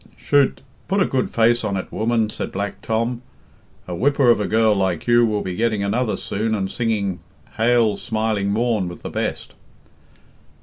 "Chut'! Put a good face on it, woman," said Black Tom. "A whippa of a girl like you will be getting another soon, and singing, 'Hail, Smiling Morn!' with the best."